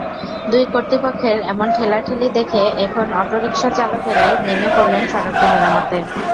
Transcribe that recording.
দুই কর্তৃপক্ষের এমন ঠেলাঠেলি দেখে এখন অটোরিকশা চালকেরাই নেমে পড়লেন সড়কটি মেরামতে।